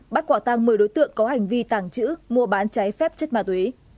bắt quả tăng một mươi đối tượng có hành vi tàng trữ mua bán cháy phép chất ma túy